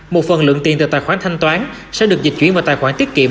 một phần lượng tiền từ tài khoản thanh toán sẽ được dịch chuyển vào tài khoản tiết kiệm